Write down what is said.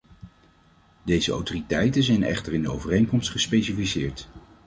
Deze autoriteiten zijn echter in de overeenkomst gespecificeerd.